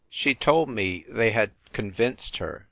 She told me they had "convinced" her.